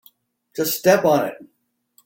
Just step on it.